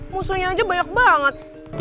musuhnya aja banyak banget